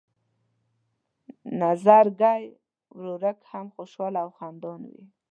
نظرګی ورورک هم خوشحاله او خندان وي.